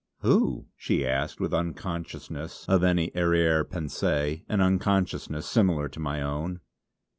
"Who?" she asked with unconsciousness of any arrière pensée, an unconsciousness similar to my own.